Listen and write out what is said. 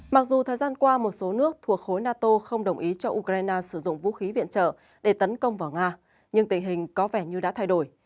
mặc dù thời gian qua một số nước thuộc khối nato không đồng ý cho ukraine sử dụng vũ khí viện trợ để tấn công vào nga nhưng tình hình có vẻ như đã thay đổi